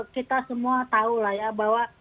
kita semua tahu lah ya bahwa